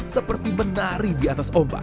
seperti menari di atas ombak